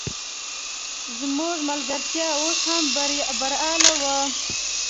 زموږ ملګرتیا اوس هم برحاله وه.